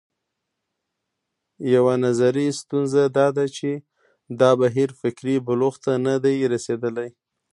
یوه نظري ستونزه دا ده چې دا بهیر فکري بلوغ ته نه دی رسېدلی.